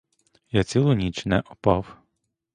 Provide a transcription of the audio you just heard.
Я цілу ніч не опав.